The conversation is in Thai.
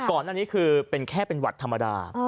ก่อนหน้านี้คือเป็นแค่เป็นหวัดธรรมดา